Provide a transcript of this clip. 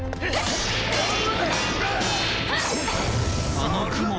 あの雲は。